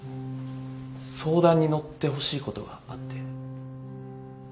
相談に乗ってほしいことがあって。